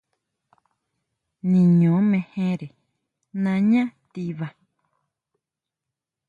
Niño mejere nañá tiba.